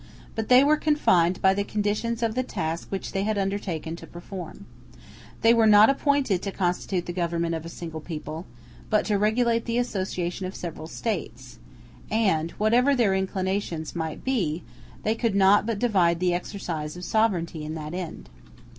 But they were confined by the conditions of the task which they had undertaken to perform. They were not appointed to constitute the government of a single people, but to regulate the association of several States; and, whatever their inclinations might be, they could not but divide the exercise of sovereignty in the end.